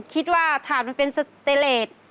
คิดว่าถาดมันเป็นสเตรเลส